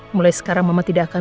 mulai sekarang memang tidak akan